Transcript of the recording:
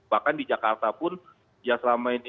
bahkan di jakarta pun